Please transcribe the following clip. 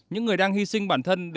những người đang hy sinh